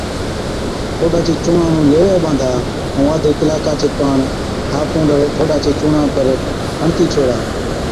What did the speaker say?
ٺوڏا چي چُونڻان نُون ليوَي ٻانڌا ائُون آڌي ڪلاڪا چي ڪاڻ ها پونڊر ٺوڏا چي چُونڻان پر هڻتِي ڇوڙا۔